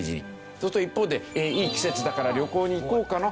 そうすると一方で「いい季節だから旅行に行こうかな？」